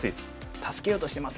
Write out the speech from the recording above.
助けようとしてます。